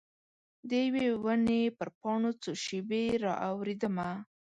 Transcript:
د یوي ونې پر پاڼو څو شیبې را اوریدمه